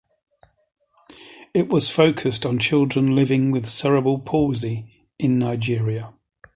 It was focused on children living with cerebral palsy in Nigeria.